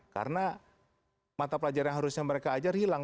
karena mata pelajaran yang harusnya mereka ajar hilang